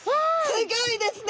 すギョいですね！